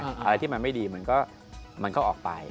อะไรที่มันไม่ดีมันก็ออกไป